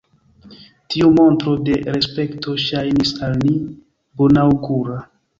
Tiu montro de respekto ŝajnis al ni bonaŭgura.